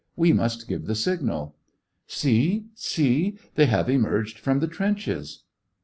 We must give the signal." " See, see ! They have emerged from the trenches."